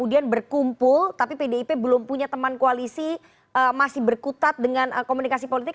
kemudian berkumpul tapi pdip belum punya teman koalisi masih berkutat dengan komunikasi politik